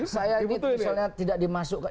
saya misalnya tidak dimasukkan